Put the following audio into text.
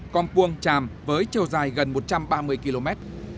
compuong chàm với chiều dài gần một trăm ba mươi km